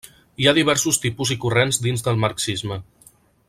Hi ha diversos tipus i corrents dins del marxisme.